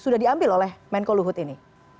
sudah diambil oleh menko luhut ini